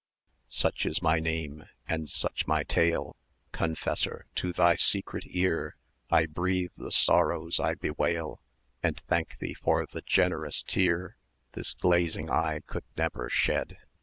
"Such is my name, and such my tale. Confessor! to thy secret ear 1320 I breathe the sorrows I bewail, And thank thee for the generous tear This glazing eye could never shed.